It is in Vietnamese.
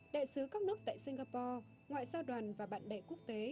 đại sứ các nước tại singapore ngoại giao đoàn và bạn bè quốc tế